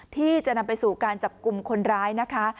ที่จะนำไปสู่การจับกลุ่มคนร้ายนะคะ